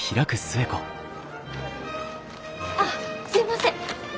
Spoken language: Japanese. あっすみません！